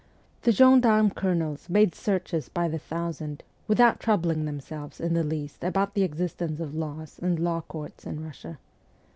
The gendarme colonels made searches by the thousand without troubling themselves in the least about the existence of laws and law courts in Eussia.